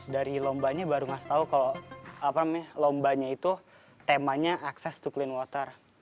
dari lombanya baru ngasih tau kalau lombanya itu temanya access to clean water